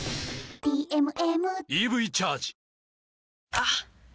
あっ！